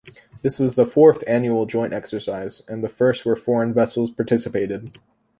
This was the fourth annual joint exercise, and the first where foreign vessels participated.